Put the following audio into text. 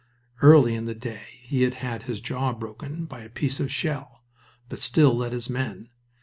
Early in the day he had had his jaw broken by a piece of shell, but still led his men.